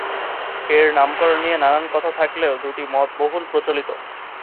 এর নামকরণ নিয়ে নানান কথা থাকলেও দুটি মত বহুল প্রচলিত।